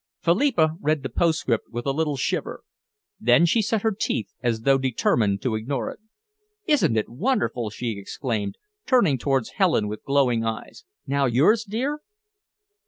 Philippa read the postscript with a little shiver. Then she set her teeth as though determined to ignore it. "Isn't it wonderful!" she exclaimed, turning towards Helen with glowing eyes. "Now yours, dear?"